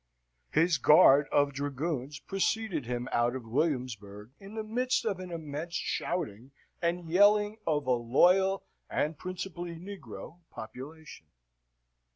His guard of dragoons preceded him out of Williamsburg in the midst of an immense shouting and yelling of a loyal, and principally negro, population.